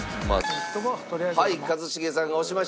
一茂さんが押しました。